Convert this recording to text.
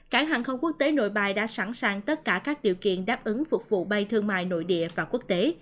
cảng hàng không quốc tế nội bài đã sẵn sàng tất cả các điều kiện đáp ứng phục vụ bay thương mại nội địa và quốc tế